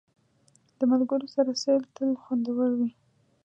د ملګرو سره سیل تل خوندور وي.